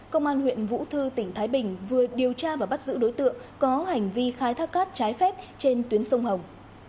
công an huyện vũ thư tỉnh thái bình vừa điều tra và bắt giữ đối tượng có hành vi khai thác cát trái phép trên tuyến sông hồng